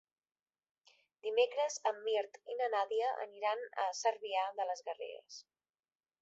Dimecres en Mirt i na Nàdia aniran a Cervià de les Garrigues.